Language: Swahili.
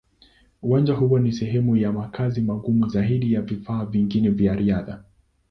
Uwanja huo ni sehemu ya makazi magumu zaidi ya vifaa vingine vya riadha.